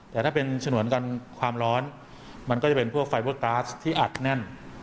แต่ถ้าเป็นฉนวนกันความร้อนมันก็จะเป็นพวกไฟเวอร์ก๊าซที่อัดแน่น